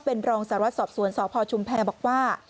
เป็นรองสารวัตรสอบสวนสพชุมแพรบอกว่า